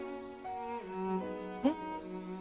えっ？